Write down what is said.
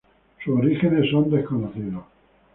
Sus orígenes son desconocidos.